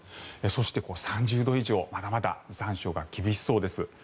そして、３０度以上まだまだ残暑が厳しそうです。